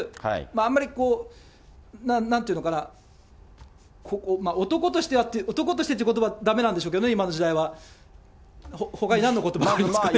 あんまり、なんて言うのかな、男として、男としてってことばはだめなんでしょうけどね、今の時代は、ほかになんのことばがありますかね。